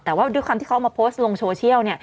แต่ว่าด้วยความที่เขามาโพสต์ลงโซเชียล